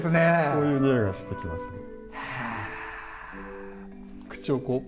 そういうにおいがしてきますね。